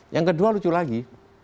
yang kedua lucu lagi